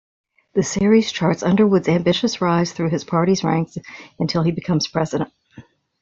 The series charts Underwood's ambitious rise through his party's ranks until he becomes President.